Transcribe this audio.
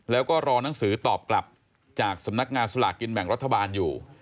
แล้วก็รอนังสือตอบกลับจากสำนักงานสลากกินแบ่งรัฐบาลอยู่